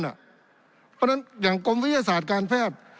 เพราะฉะนั้นอย่างกรมวิทยาศาสตร์การแพทย์